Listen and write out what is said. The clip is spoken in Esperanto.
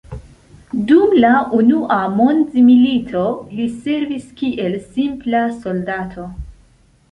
Dum la unua mondmilito li servis kiel simpla soldato.